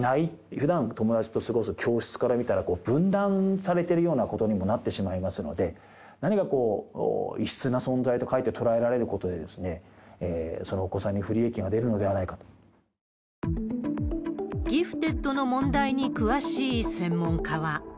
ふだん友達と過ごす教室から見たら、分断されているようなことにもなってしまいますので、何か異質な存在と、かえって捉えられることで、そのお子さんに不ギフテッドの問題に詳しい専門家は。